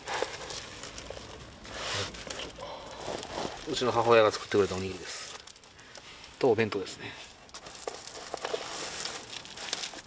うちの母親が作ってくれたおにぎりです。とお弁当ですね。